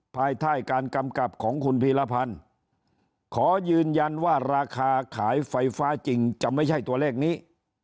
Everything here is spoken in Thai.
ภายใต้การกำกับของคุณพีรพันธ์ขอยืนยันว่าราคาขายไฟฟ้าจริงจะไม่ใช่ตัวเลขนี้